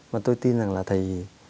và tôi tin rằng là thầy